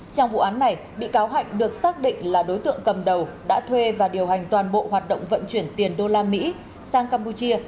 trong vụ án này bị cáo hạnh được xác định là đối tượng cầm đầu đã thuê và điều hành toàn bộ hoạt động vận chuyển tiền đô la mỹ sang campuchia